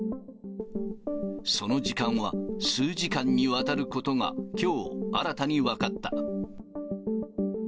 その時間は数時間にわたることがきょう新たに分かった。